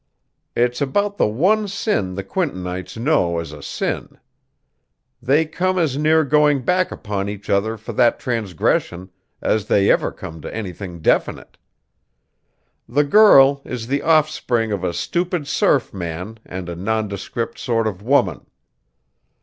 It's about the one sin the Quintonites know as a sin. They come as near going back upon each other for that transgression as they ever come to anything definite. The girl is the offspring of a stupid surf man and a nondescript sort of woman.